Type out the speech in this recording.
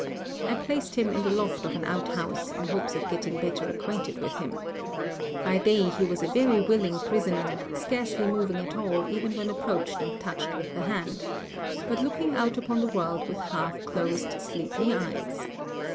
I placed him in the loft of an out house in hopes of getting better acquainted with him. By day he was a very willing prisoner, scarcely moving at all even when approached and touched with the hand, but looking out upon the world with half closed sleepy eyes.